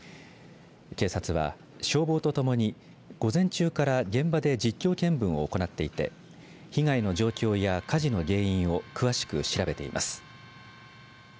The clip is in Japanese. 警察は、消防ととともに午前中から現場で実況見分を行っていて被害の状況や火事の原因を詳しく調べています。